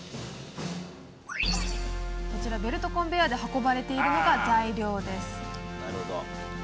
ベルトコンベヤーで運ばれているのが材料です。